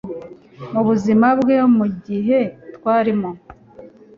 mubuzima bwe Mugihe twarimo